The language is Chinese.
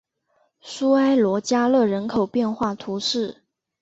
苏埃罗加勒人口变化图示